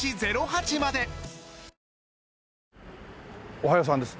おはようさんです。